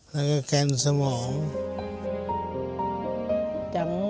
แล้วก็กันสมอง